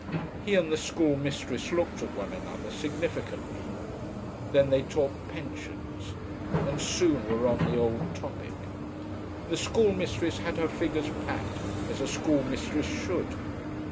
He and the schoolmistress looked at one another significantly. Then they talked pensions: and soon were on the old topic. The schoolmistress had her figures pat, as a schoolmistress should.